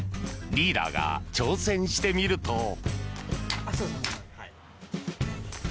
リーダーが挑戦してみると。